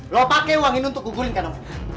lo pake uang ini untuk gugurin ke namanya